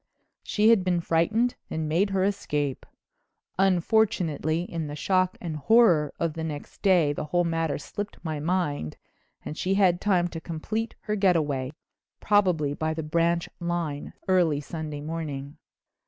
She had been frightened and made her escape. Unfortunately, in the shock and horror of the next day the whole matter slipped my mind and she had time to complete her getaway, probably by the branch line early Sunday morning."